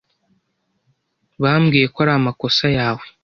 Bambwiye ko ari amakosa yawe.